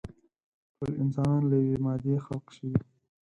ټول انسانان له يوې مادې خلق شوي.